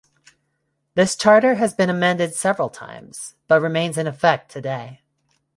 This charter has been amended several times, but remains in effect today.